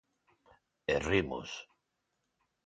E rimos.